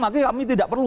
maka kami tidak perlu